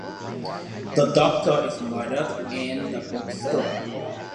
The doctor is murdered and the book stolen.